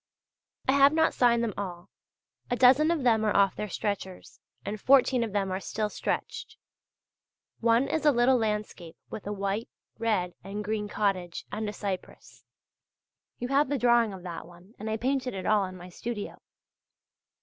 I have not signed them all; a dozen of them are off their stretchers, and fourteen of them are still stretched. One is a little landscape with a white, red and green cottage, and a cypress. You have the drawing of that one, and I painted it all in my studio.